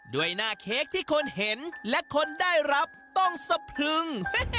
ด้วยหน้าเค้กที่คนเห็นและคนได้รับต้องสะพรึง